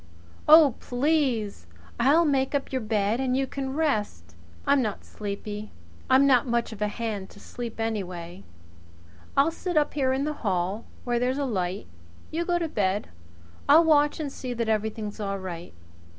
"Oh, please! I'll make up your bed and you can rest " "I'm not sleepy. I'm not much of a hand to sleep anyway. I'll sit up here in the hall, where there's a light. You get to bed. I'll watch and see that everything's all right.